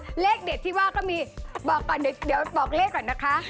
มาเลขเด็ดที่ว่าก็มีเดี๋ยวบอกเลขก่อนนะคะ